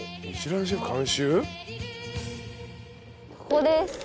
ここです。